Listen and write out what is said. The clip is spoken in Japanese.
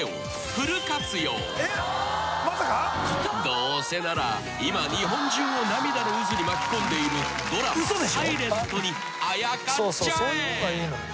［どうせなら今日本中を涙の渦に巻き込んでいるドラマ『ｓｉｌｅｎｔ』にあやかっちゃえ］